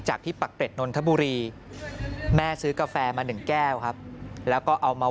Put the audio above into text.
ที่ปักเกร็ดนนทบุรีแม่ซื้อกาแฟมา๑แก้วครับแล้วก็เอามา